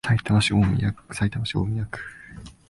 さいたま市大宮区